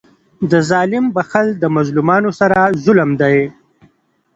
د ظالم بخښل د مظلومانو سره ظلم دئ.